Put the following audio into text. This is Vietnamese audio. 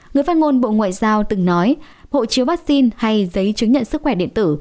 người phát ngôn bộ ngoại giao từng nói hộ chiếu vaccine hay giấy chứng nhận sức khỏe điện tử